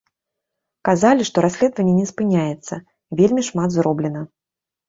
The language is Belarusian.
Казалі, што расследаванне не спыняецца, вельмі шмат зроблена.